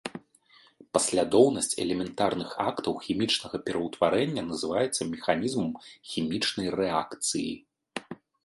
Паслядоўнасць элементарных актаў хімічнага пераўтварэння называецца механізмам хімічнай рэакцыі.